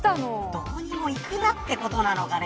どこにも行くなってことなのかね。